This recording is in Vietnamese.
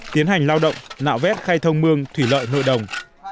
tiến hành lao động nạo vét khai thông mương thủy lợi nội đồng